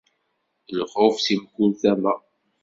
Lxuf si mkul tama.